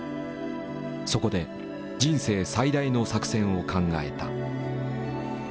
そこで人生最大の作戦を考えた。